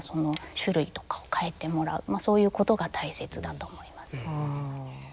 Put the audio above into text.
そういうことが大切だと思います。